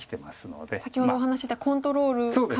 先ほどお話ししてたコントロール下にあると。